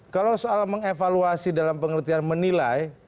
kalau soal mengevaluasi dalam pengertian menilai